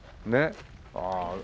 ああ。